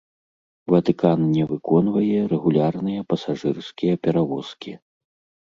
Ватыкан не выконвае рэгулярныя пасажырскія перавозкі.